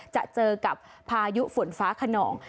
จะเจอกับพายุฝนฟ้าขนอง